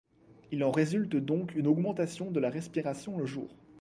Il en résulte donc une augmentation de la respiration le jour.